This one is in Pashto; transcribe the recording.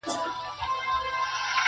کله کله یې سکوت هم مسؤلیت دی ,